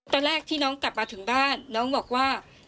ตอนแรกที่น้องกลับมาถึงบ้านน้องบอกว่า